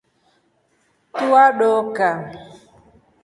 Tua doka.